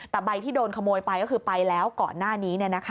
แต่ใบที่โดนขโมยไปก็คือไปแล้วก่อนหน้านี้